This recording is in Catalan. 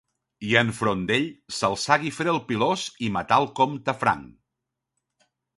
I en front d'ell s'alçà Guifré el Pilós i matà el comte franc.